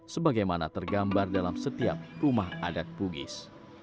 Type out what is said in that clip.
sebagaimana tergambar dalam setiap rumah adat bugis